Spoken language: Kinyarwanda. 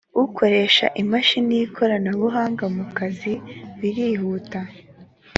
ukoresha imashini y’ikoranabuhanga mu kazi biruhuta